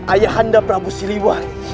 ayah anda prabu siliwa